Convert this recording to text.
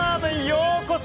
ようこそ！